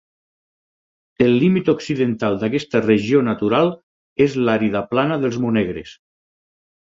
El límit occidental d'aquesta regió natural és l'àrida plana dels Monegres.